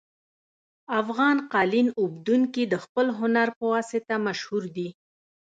افغان قالین اوبدونکي د خپل هنر په واسطه مشهور دي